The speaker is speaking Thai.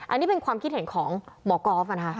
อันนี้เป็นความคิดเห็นของหมอกอล์ฟ